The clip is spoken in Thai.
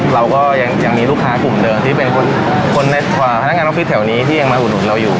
เราก็ยังมีลูกค้ากลุ่มเดิมที่เป็นคนในพนักงานออฟฟิศแถวนี้ที่ยังมาอุดหนุนเราอยู่